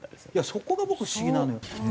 そこが僕不思議なのよ。